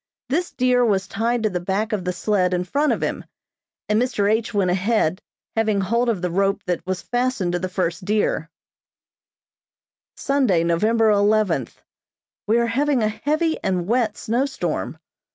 This deer was tied to the back of the sled in front of him, and Mr. H. went ahead having hold of the rope that was fastened to the first deer. Sunday, November eleventh: We are having a heavy and wet snow storm.